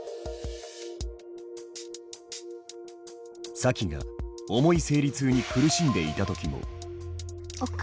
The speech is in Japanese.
サキが重い生理痛に苦しんでいた時も。